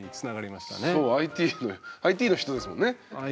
そうＩＴＩＴの人ですもんね。